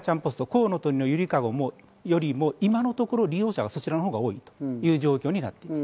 「こうのとりのゆりかご」よりも今のところ利用者はそちらのほうが多いという状況です。